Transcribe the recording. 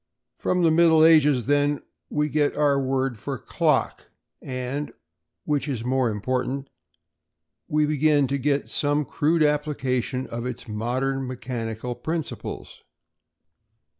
From the Middle Ages, then, we get our word for clock and, which is more important, we begin to get some crude application of its modern mechanical principles.